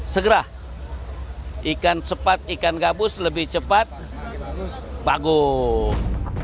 segera ikan cepat ikan gabus lebih cepat bagus